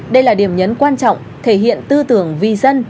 đây là điểm nhấn quan trọng thể hiện tư tưởng vì dân